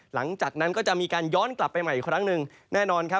หลังจากนั้นก็จะมีการย้อนกลับไปใหม่อีกครั้งหนึ่งแน่นอนครับ